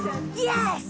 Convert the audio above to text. よし！